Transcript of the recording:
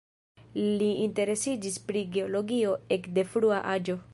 Li interesiĝis pri geologio ek de frua aĝo.